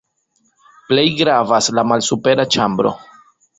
Plej gravas la malsupera ĉambro.